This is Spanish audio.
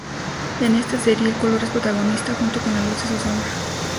En esta serie el color es protagonista, junto con la luz y su sombra.